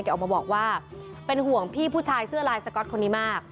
ออกมาบอกว่าเป็นห่วงพี่ผู้ชายเสื้อลายสก๊อตคนนี้มาก